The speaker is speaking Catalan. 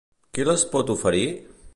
Qui les pot oferir?